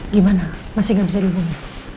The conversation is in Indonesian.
gimana masih gak bisa dihubungi